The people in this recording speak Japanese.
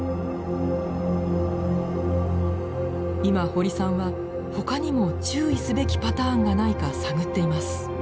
今堀さんはほかにも注意すべきパターンがないか探っています。